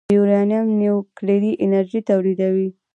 د یورانیم نیوکلیري انرژي تولیدوي.